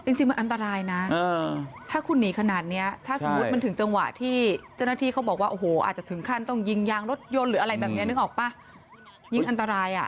จริงมันอันตรายนะถ้าคุณหนีขนาดนี้ถ้าสมมุติมันถึงจังหวะที่เจ้าหน้าที่เขาบอกว่าโอ้โหอาจจะถึงขั้นต้องยิงยางรถยนต์หรืออะไรแบบนี้นึกออกป่ะยิงอันตรายอ่ะ